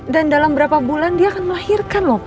dan dalam berapa bulan dia akan melahirkan loh